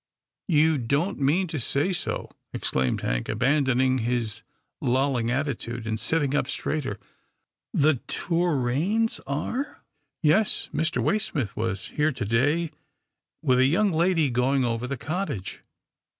" You don't mean to say so? " exclaimed Hank, abandoning his lolling attitude, and sitting up straighter, " The Torraines are ?"" Yes, Mr. Waysmith was here to day with a young lady going over the cottage.